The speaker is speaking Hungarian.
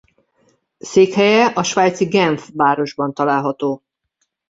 Székhelye a svájci Genf városban található.